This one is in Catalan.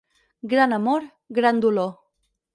Gran amor, gran dolor.